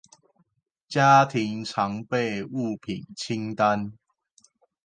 家庭常備物品清單